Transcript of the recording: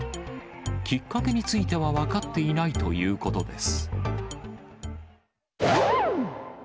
きっかけについては分かっていないということです。